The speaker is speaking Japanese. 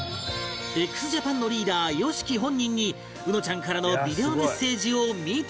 ＸＪＡＰＡＮ のリーダー ＹＯＳＨＩＫＩ 本人にうのちゃんからのビデオメッセージを見ていただく